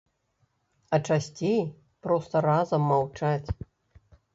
А часцей проста разам маўчаць.